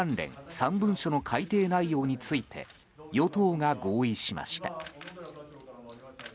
３文書の改定内容について与党が合意しました。